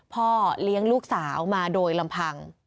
พ่อเลี้ยงลูกสาวมาโดยลำพัง